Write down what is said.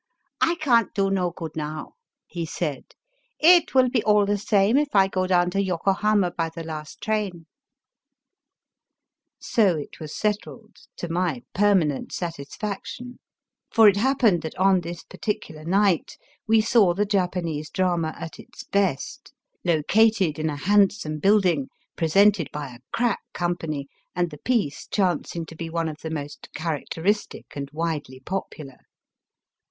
^*I can't do no good now," he said. "It will be all the same if I go down to Yokohama by the last train." So it was settled, to my permanent satis faction, for it happened that on this particular night we saw the Japanese drama at its best, located in a handsome building, presented by VOL. I. 19 Digitized by VjOOQIC 290 EAST BY WEBT. a crack company, and the piece chancing to be one of the most characteristio and mdely popular.